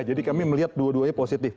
jadi kami melihat dua duanya positif